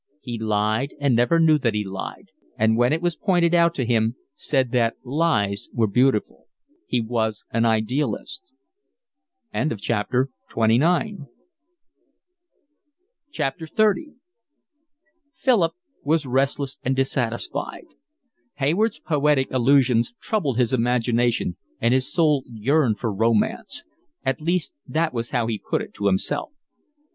He lied and never knew that he lied, and when it was pointed out to him said that lies were beautiful. He was an idealist. XXX Philip was restless and dissatisfied. Hayward's poetic allusions troubled his imagination, and his soul yearned for romance. At least that was how he put it to himself.